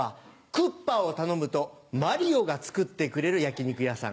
クッパを頼むとマリオが作ってくれる焼き肉屋さん。